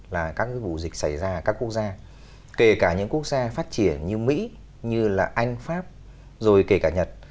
là các cái vụ dịch xảy ra ở các quốc gia kể cả những quốc gia phát triển như mỹ như là anh pháp rồi kể cả nhật